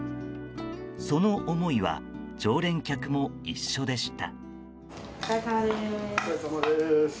その思いは常連客も一緒でした。